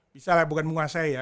bisa lah bukan muka saya ya